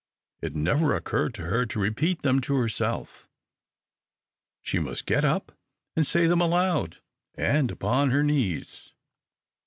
It never occurred to her to repeat them to herself. She must get up and say them aloud, and upon her knees.